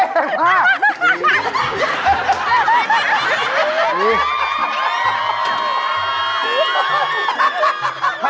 เยี่ยมไง